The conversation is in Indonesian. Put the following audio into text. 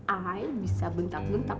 ayah bisa bentak bentak